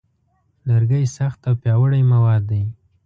لرګی سخت او پیاوړی مواد دی.